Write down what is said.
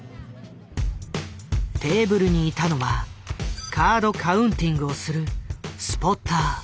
テーブルにいたのはカード・カウンティングをするスポッター。